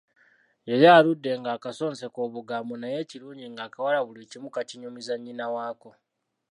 Yali aludde ng'akasonseka obugambo naye ekirungi ng'akawala buli kimu kakinyumiza nnyina waako.